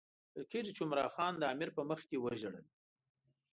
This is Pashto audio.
ویل کېږي چې عمرا خان د امیر په مخکې وژړل.